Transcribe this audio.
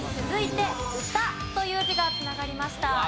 続いて「歌」という字が繋がりました。